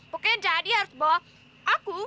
pokoknya jadi harus bawa aku